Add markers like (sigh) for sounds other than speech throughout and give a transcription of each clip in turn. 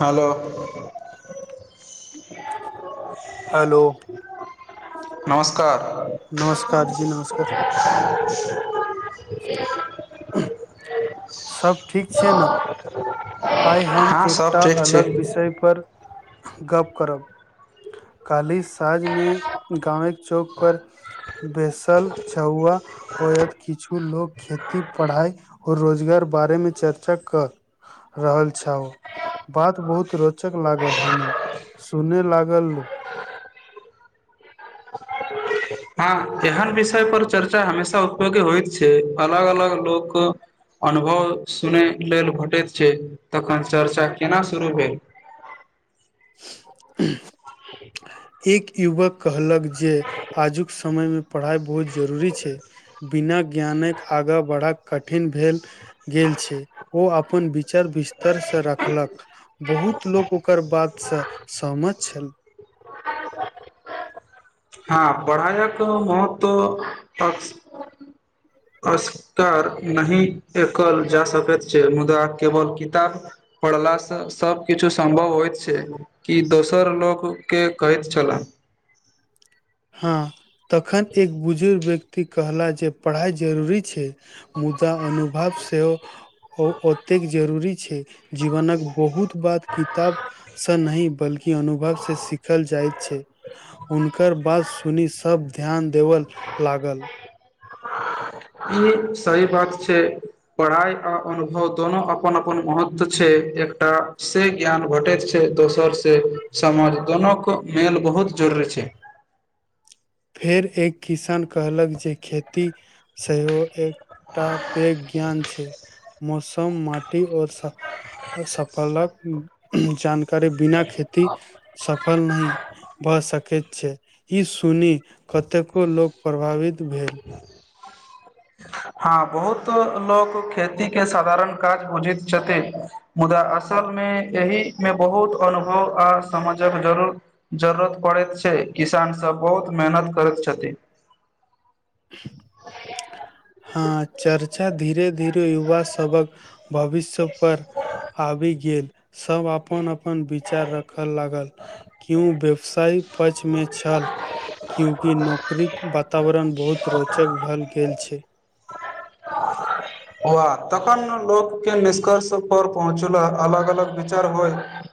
हलो hello नमस्कार (unintelligible) आई हम हँ सब एकटा ठीक छै अलग विषय पर गप करब कल्हिसँ समाज मे गाँवेक चौक पर बेसल छहुआ होयत किछु लोग खेती पढ़ाई और रोजगार बारे मे चर्चा कर रहल छाव बात बहुत रोचक लागल हमहू सुनै लागलू (inaudible) हँ एहन विषय पर चर्चा हमेशा उपयोगी होइत छै अलग अलग लोक अनुभव सुनय लेल भेटैत छै तखन चर्चा केना शुरू भेल (unintelligible) एक युवक कहलक जे आजुक समय मे पढ़ाइ ब बहुत जरूरी छै बिना ज्ञानक आगाँ बढ़ब कठिन भेल गेल छै ओ अपन विचार बिस्तरसँ रखलक बहुत लोक ओकर बातसँ सहमत छल हँ पढ़ाइक महत्व अक अस्कार नहि एकल जा सकैत छै मुदा केवल किताब पड़लासँ सभ किछु सम्भव होइत छै कि दोसर लोकके कहैत छलाह (inaudible) हँ तखन एक बुजुर्ग व्यक्ति कहला जे पढ़ाइ जरूरी छै मुदा अनुभव सेहो ओतेक जरूरी छै जीवनक बहुत बात किताब से नहि बल्कि अनुभव से सीखल जाइत छै हुनकर बात सुनि सब ध्यान देबऽ लागल ई सही बात छै पढ़ाई आ अनुभव दुनो अपन अपन महत्व छै एकटा से ज्ञान भेटैत छै दोसर से समाज दोनोक को मेल बहुत जरुरी छै फेर एक किसान कहलक जे खेती सेहो एकटा पैघ ज्ञान छै मौसम माटी आओरसफलक जानकारी बिना खेती सफल नहि भऽ सकैत छै ई सुनी कतेको लोक प्रभावित भेल हँ बहुत लोक खेती के साधारण काज बुझैत छथिन मुदा असल फसल मे एहि मे बहुत अनुभव आ समझक जरू जरूरत पड़ेत छै किसान सब बहुत मेहनत करैत छथिन (inaudible) हँ चर्चा धीरे धीरे युवा सबक भविष्य पर आबि गेल सब अपन अपन विचार रखय लागल क्यूं व्यवसाय पक्ष मे छल क्यूकि नौकरीक वातावरण बहुत रोचक भल गेल छै होआ तखन लोक के निष्कर्ष पर पहुँचुला अलग अलग विचार होय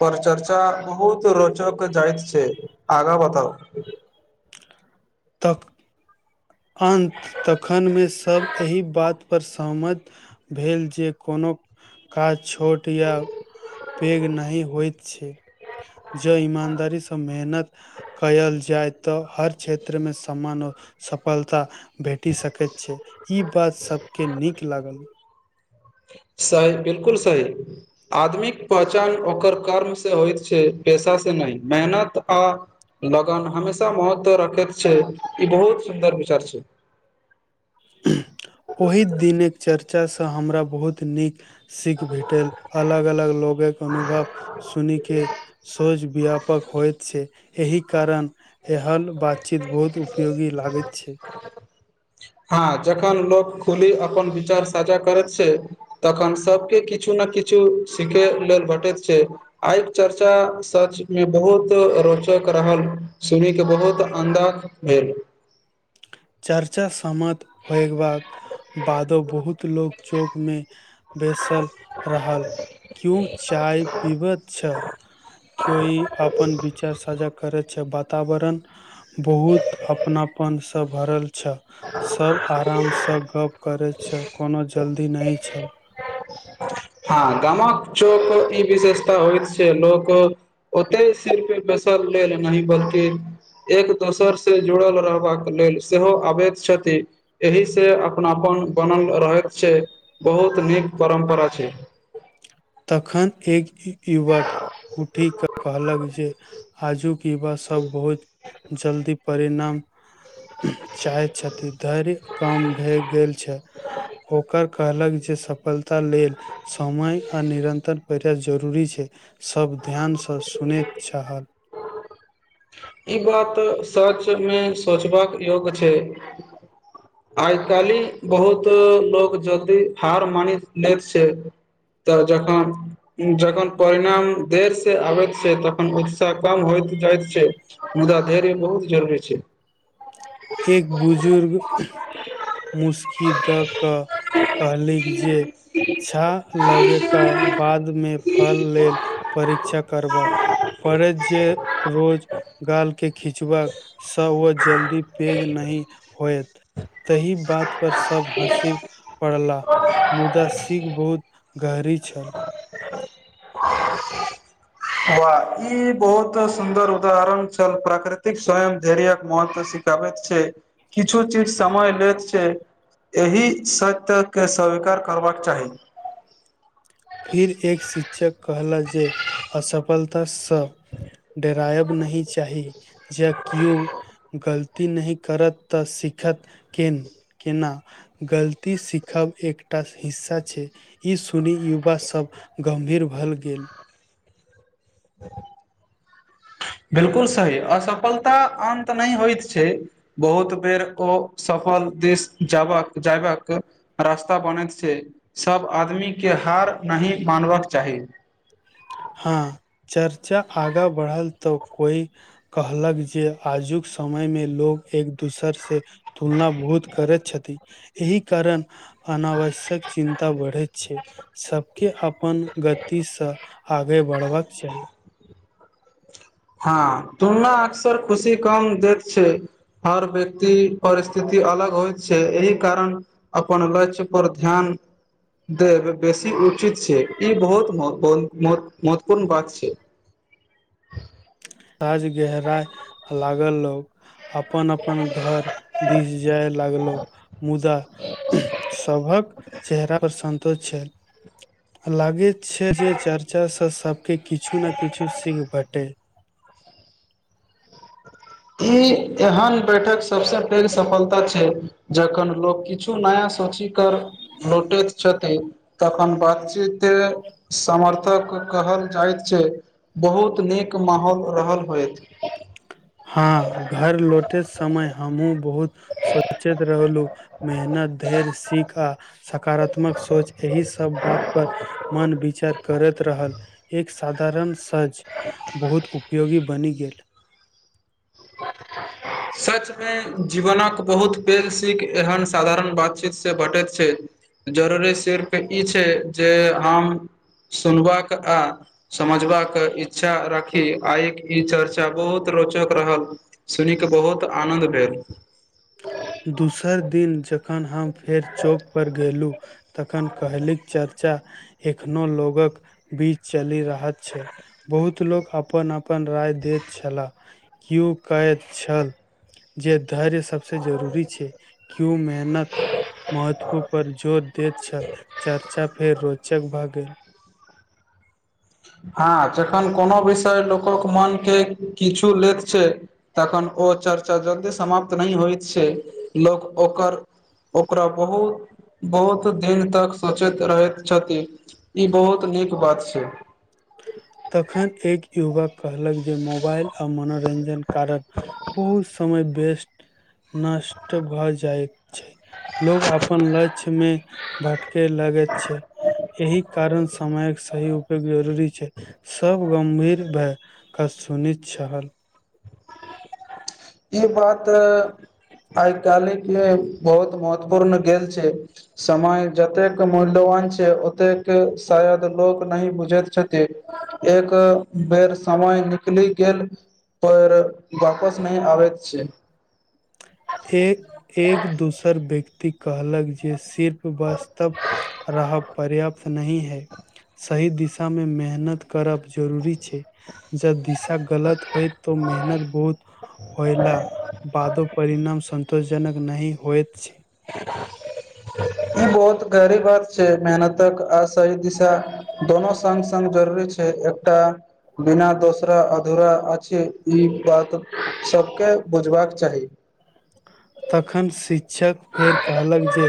पर चर्चा बहुत रोचक जाइत छै आगा बताउ तक अन्त तखनमे सभ एहि बातपर सहमत भेल जे कोनो काज छोट या पैघ नहि होइत छै जँ ईमानदारीसँ मेहनत कयल जाय तऽ हर क्षेत्र मे समान सफलता भेटी सकैत छै ई बात सब के नीक लागल सही बिल्कुल सही आदमीक पहचान ओकर कर्मसँ होइत छै पेशा नहि मेहनत आ लगन हमेशा महत्व रखैत छै ई बहुत सुन्दर विचार छै ओहि दिनक चर्चासँ हमरा बहुत नीक सीख भेटल अलग अलग लोगक अनुभव सुनि के सोच व्यापक होइत छै एहि कारण एहल बातचीत बहुत उपयोगी ल भागैत छै हां जखन लोक खुली अपन विचार साझा करत छै तखन सबके किछु ना किछु सीखे लेल भेटैत छै आइ चर्चा सच मे बहुत रोच रोचक रहल सुनि क बहुत अन्दाज भेल (unintelligible) चर्चा सम्मत होयबाक बादो बहुत लोग चौक मे बेसल रहल क्यू चाय पिबत छल कोई अपन विचार साझा करै छै बात वातावरण बहुत अपनापन स भरल सब आराम स गप्प करै छल कोनो जल्दी नहि छल हँ गामक चौक ई विशेषता होइत छै लोक ओते सिर्फ बसल लेल नहि बल्कि एक दोसर से जुड़ल रहबाक लेल सेहो अबैत छथि एहि से अपनापन बनल रहैत छै बहुत नीक परम्परा छै तखन एक युवक उठीऽ कहलक जे आजूक युवा सब बहुत जल्दी परिणाम चाहैत छथि धैर्य कम भए गेल छै ओकर कहलक जे जे सफलता लेल समय तर पहिरल जरूरी छै सब ध्यानसँ सुनैत चाह ई बात त सच मे सोचबाक योग्य छै आइ कालहि बहुत लोग जल्दी हार मानि लैत छै तऽ जन जखन परिणाम देर से आबैत छै तखन उत्साह कम होइत बुझाइत छै मुदा धैर्य बहुत जरूरी छै एक बुजुर्ग मुस्कि दऽ कऽ कहलि जे छा लगैके बादमे फल लेल परीक्षा करबाक छै पड़ैत जे रोज गालके खिचबाकासँ ओ जल्दी वेग नहि होएत तहि बात पर सब हँसी पड़ला मुदा सिख बहुत ग करै छल (unintelligible) वा ई बहुत सुन्दर उदाहरण छल प्राकृतिक स्वयं धैर्यक महत्व सबैत छै किछो चीज समय लैत छै एहि सत्यके स्वीकार करबाक चाही फिर एक शिक्षक कहला जे असफलता डरायब नहि चाही जे केओ गलती नहि करत तऽ सीखत केना गलती सीखब एकटा हिस्सा छै ई सुनी युवा सभ गम्भीर भ गेल (unintelligible) बिल्कुल सही असफलता अन्त नहि होइत छै बहुत बेर ओ सब फल देश जायबाक रास्ता बनैत छै सब आदमी के हार नहि मानबाक चाही (inaudible) हँ चर्चा आगा बढ़ल तऽ कोई कहलक जे आजुक समय एमे लोग एक दोसर से तुलना बहुत करैत छथि एहि कारण अनावश्यक चिन्ता बढ़ैत छै सबके अपन गतिसँ आगे बढ़बाक चाही हँ तुलना अक्सर खुशी कम देैत छै हर व्यक्ति परिस्थिति अलग होइत छै एहि कारण अपन ल्ष्य पर ध्यान देब बेसी उचित छै ई बहुत महत्वपूर्ण महो महत्वपूर्ण बात छै (inaudible) राज गहरा लागल लोक अपन अपन घर दिस जाय लागलहु मुदा सभक चेहरा पर सन्तोष छै लागैत छै जे चर्चा स सब के किछु ने किछु सीख भेटै ई एहन बैठक सभस पैघ सफलता छै जखन लोक किछु नया सूची कर लोटैत छथि तखन बातचीत समर्थक कहल जाइत छै बहुत नीक माहौल रहल होत हँ घर लौटे समय हमहुँ बहुत सोचैत रहलहुँ मेहनत धैर्य सीख आ सकारात्मक सोच एहि सब बात पर मन विचार कर करैत रहल एक साधारण सज बहुत उपयोगी बनि गेल सच जीवनक बहुत पैघ खिख एहन साधारण बातचीत से भेटैत छै जरूरी सिर्फ ई छै जे हम सुनबाक आ समझबाक इच्छा राखी आइक ई चर्चा बहुत रोचक रहल सुन कऽ बहुत आनन्द भेल दोसर दिन जखन हम फेर चौक पर गेलु तखन कहलीक चर्चा एखनो लोगक बीच चलि रहत छै बहुत लोक अपन अपन राय दैत छलाह कओ कहैत छल जे धैर्य सबसँ महत्व पर जोर दैत छल। चर्चा फेर रोचक भऽ गेल। हँ जखन कोनो विषय लोकक मन के किछु लेत छै तखन ओ चर्चा जल्दी समाप्त नहि होइत छै लोक ओकर ओकरा बहुत बहुत दिन तक सोचैत रहैत छथि ई बहुत नीक बात छै (inaudible) तखन एक युवक कहलक जे मोबाइल आ मनोरंजनक कारण बहुत बेस्ट नष्ट भऽ जाइत छै लोग अपन लक्ष्य मे भटके लगे छै एहि कारण समयक सही उपयोग जरूरी छै सब गम्भीर भए कऽ सुनैत छहल इ बात अ आइ काल्हिक ए बहुत महत्वपूर्ण गेल छै समय जतेक मुल्यवान छै ओतेक शायद लोक नहि बुझैत छथि एक बेर समय निकलि गेल पर वापस नहि आबैत छै एक एक दोसर व्यक्ति कहलक जे सिर्फ वास्तव रहब पर्याप्त नहि है सही दिशा मे मेहनत करब जरूरी जब दिशा गलत होइ तऽ मेहनत बहुत होइला बादो सतोषजनक नहि होइत छै (unintelligible) ई बहुत गहरी बात छै मेहनतक आ सही दिशा दोनो संग संग जरूरी छै एकटा बिना दोसरा अधूरा अछि ई बात सभके बुझबाक चाही तखन शिक्षक फेर कहलक जे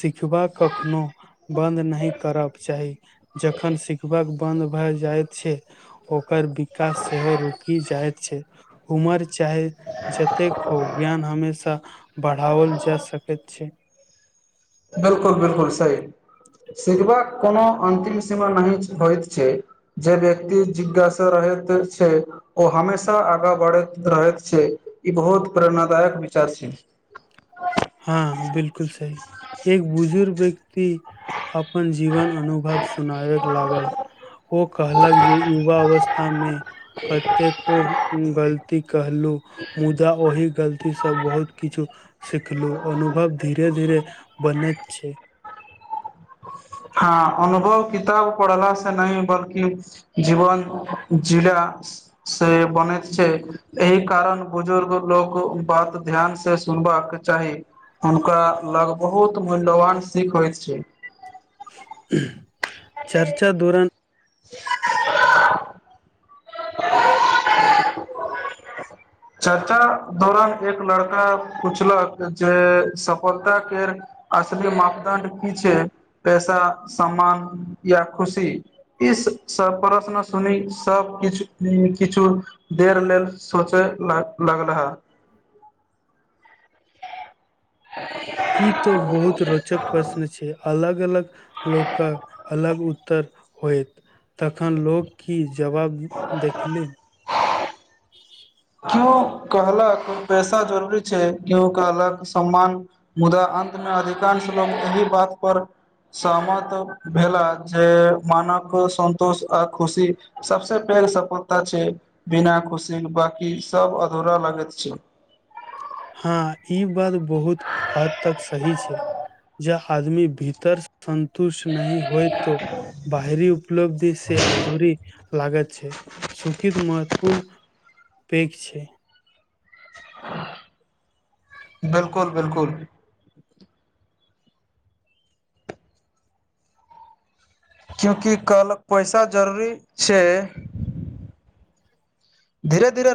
सिखबा कखनो बन्द नहि करब चाही जखन सिखबाकक बन्द भए जाइत छै ओकर विकास सेहो रुकि जाइत छै उमर चाहे जतेक हो ज्ञान हमेशा बढ़ाओल जा सकैत छै बिल्कुल बिल्कुल सही सीखवा कोनो अन्तिम सीमा नहि होइत छै जे व्यक्ति जिज्ञासा रहैत छै ओ हमेशा आगा बढ़ैत रहैत छै ई बहुत प्रेरणादायक विचार छै हँ बिल्कुल सही एक बुजुर्ग व्यक्ति अपन जीवन अनुभव सुनाबय लागल ओ कहलक जे युवा अवस्थामे कतेको गलती कहलू मुदा ओहि गलती से बहुत किछु सिख देखलू अनुभव धीरे धीरे बनैत छै हँ अनुभव किताब पढ़लासँ नहि बल्कि जीवन जिला सँ बनैत छै एहि कारण बुजुर्ग लोक बात ध्यानसँ सुन- बाक चाही हुनका लग बहुत मूल्यवान सीख होइत छै चर्चा दौरान (unintelligible) चर्चा दौरान एक लड़का पुछलक जे सफलता केर असली मापदंड की छै पैसा सम्मान या खुशी ई प्रश्न सुनी सब किछु नै किछु देर लेल सोंचैय लग लगलाह ई त बहुत रोचक प्रश्न छै अलग-अलग लोकक अलग उत्तर होयत तखन लोक की जवाब देखलिन क्यो कहलैथ पैसा जरुरी छै क्यो कहलैथ सम्मान मुदा अंतमे अधिकांश लोक एहि बात पर सहमत भेलाह जे मानवक संतोष आ खुशी सबसँ पहिले सफलता छै बिना खुशीक बाकी सभ अधूरा लगैत छै हँ ई बात बहुत हद तक सही छै जहा आदमी भीतर सन्तुष्ट नहि होयत तऽ बाहरी उपलब्धि सँ अधूरी लागैत छै सुखी तऽ महत्वपूर्ण पेघ छै बिल्कुल-बिल्कुल क्यूकि कल पैसा जरूरी छै धीरे-धीरे